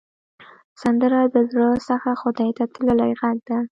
سندره د زړه څخه خدای ته تللې غږ ده